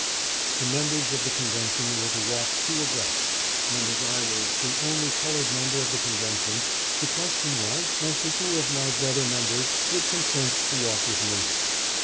The members of the convention were to walk two abreast, and as I was the only colored member of the convention, the question was, as to who of my brother members would consent to walk with me